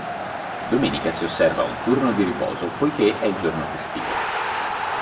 Domenica si osserva un turno di riposo poiché è il giorno festivo.